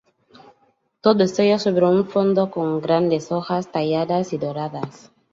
Todos ellos sobre un fondo con grandes hojas talladas y doradas.